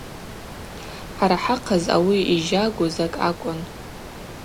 Хӏара хӏыхъаз ауи йжьагу закӏ акӏвын.